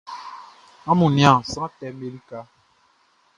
Amun nian sran tɛʼm be lika.